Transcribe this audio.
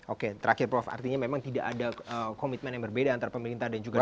oke terakhir prof artinya memang tidak ada komitmen yang berbeda antara pemerintah dan juga pemerintah